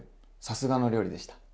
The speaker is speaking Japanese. さすがの料理でした。